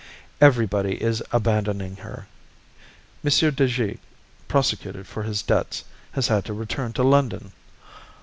Everybody is abandoning her. M. de G., prosecuted for his debts, has had to return to London.